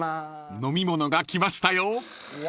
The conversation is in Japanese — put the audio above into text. ［飲み物が来ましたよ］